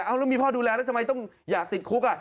เอาแล้วมีพ่อดูแลแล้วทำไมต้องอยากติดคุก